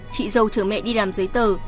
chị dâu chở mẹ đi làm giấy tờ